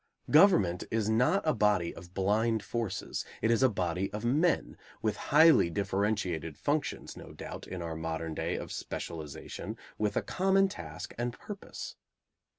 Government is not a body of blind forces; it is a body of men, with highly differentiated functions, no doubt, in our modern day, of specialization, with a common task and purpose.